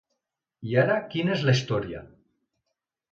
I ara quina és la història?